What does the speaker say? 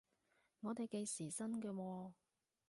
我哋計時薪嘅喎？